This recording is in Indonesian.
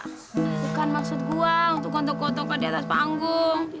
bukan maksud gua untuk kontok kontoko di atas panggung